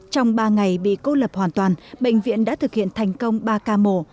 trong ba ngày bị cô lập hoàn toàn bệnh viện đã thực hiện thành công ba ca mổ